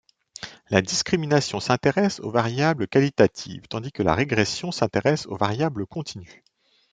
La discrimination s’intéresse aux variables qualitatives, tandis que la régression s’intéresse aux variables continues.